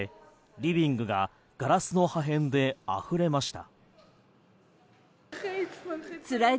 リビングがガラスの破片であふれました。